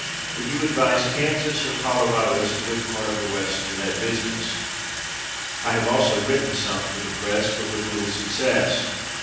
Would you advise Kansas or Colorado as a good part of the west for that business? I have also written some for the press, but with little success.